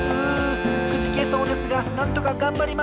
うんくじけそうですがなんとかがんばります！